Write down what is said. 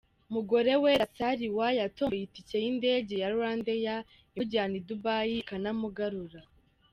Mugorewera Saliwa yatomboye itike y’indege ya Rwandair imujyana i Dubai ikanamugarura.